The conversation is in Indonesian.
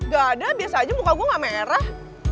gak ada biasa aja muka gue gak merah